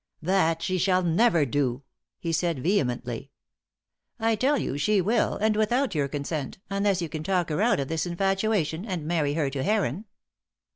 "That she shall never do:" he said vehemently. "I tell you she will, and without your consent, unless you can talk her out of this infatuation and marry her to Heron."